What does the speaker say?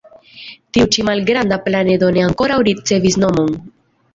Tiu-ĉi malgranda planedo ne ankoraŭ ricevis nomon.